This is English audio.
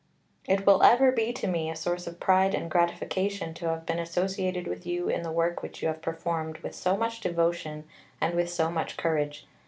It will ever be to me a source of pride and gratification to have been associated with you in the work which you have performed with so much devotion and with so much courage.